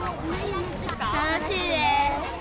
楽しいです。